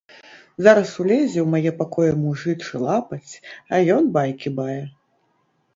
Зараз улезе ў мае пакоі мужычы лапаць, а ён байкі бае.